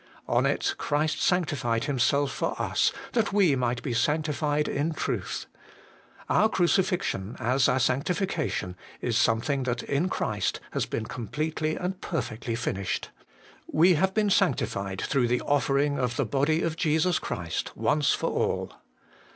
On it Christ sanctified Himself for us, that we might be sanctified in truth. Our cruci fixion, as our sanctification, is something that in Christ has been completely and perfectly finished. 'We have been sanctified through the offering of the body of Jesus Christ once for all.'